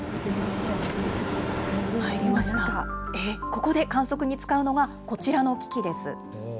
ここで観測に使うのがこちらの機器です。